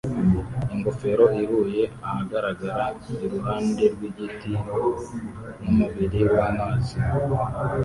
ingofero ihuye ahagarara iruhande rw'igiti n'umubiri w'amazi